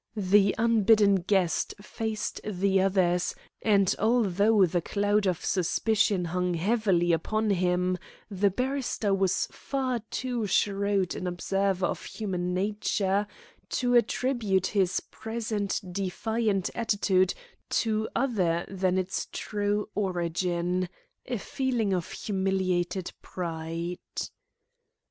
The unbidden guest faced the others, and although the cloud of suspicion hung heavily upon him, the barrister was far too shrewd an observer of human nature to attribute his present defiant attitude to other than its true origin a feeling of humiliated pride.